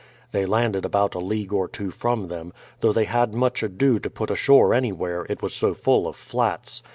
They landed about a league or two from them; though they had much ado to put ashore anywhere, it was so full of flats.